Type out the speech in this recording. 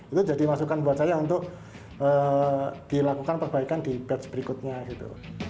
itu jadi masukan buat saya untuk dilakukan perbaikan di batch berikutnya gitu